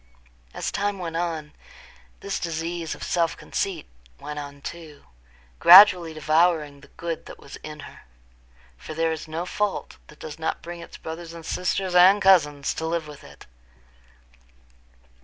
As time went on, this disease of self conceit went on too, gradually devouring the good that was in her. For there is no fault that does not bring its brothers and sisters and cousins to live with it.